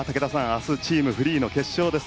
明日、チームフリーの決勝です。